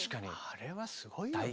あれはすごいよね。